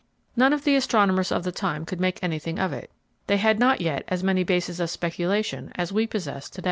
None of the astronomers of the time could make anything of it. They had not yet as many bases of speculation as we possess today.